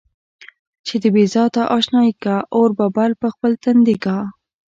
چې د بې ذاته اشنايي کا، اور به بل پر خپل تندي کا.